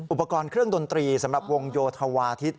อุปกรณ์เครื่องดนตรีสำหรับวงโยธวาทิศ